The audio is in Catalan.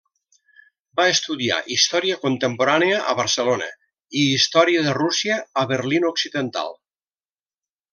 Va estudiar història contemporània a Barcelona i història de Rússia a Berlín Occidental.